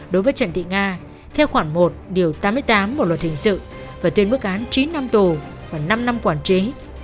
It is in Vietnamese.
đối với trần thị nga theo khoản một điều tám mươi tám bộ luật hình sự và tuyên mức án chín năm tù và năm năm quản chế